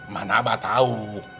mana bang tahu